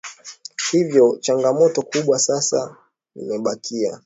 hivyo changamoto kubwa sasa limebakia